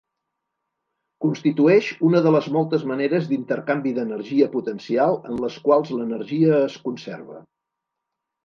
Constitueix una de les moltes maneres d'intercanvi d'energia potencial en les quals l'energia es conserva.